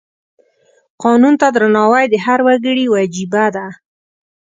قانون ته درناوی د هر وګړي وجیبه ده.